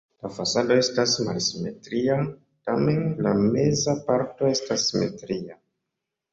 La fasado estas malsimetria, tamen la meza parto estas simetria.